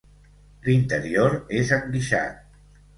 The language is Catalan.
L'interior és enguixat.